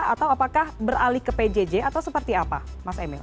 atau apakah beralih ke pjj atau seperti apa mas emil